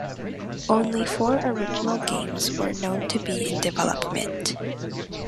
Only four original games were known to be in development.